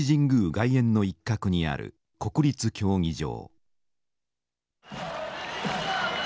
外苑の一角にある国立競技場。